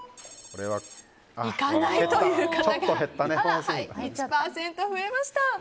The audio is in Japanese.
行かないという方が１％増えました。